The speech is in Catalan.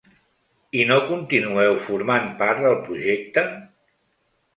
I no continueu formant part del projecte?